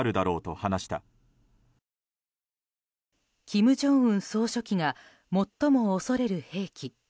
金正恩総書記が最も恐れる兵器。